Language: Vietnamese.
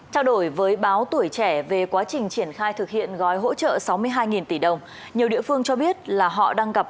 trao đổi với báo tuổi trẻ về quá trình triển khai thực hiện gói hỗ trợ sáu mươi hai tỷ đồng nhiều địa phương cho biết là họ đang gặp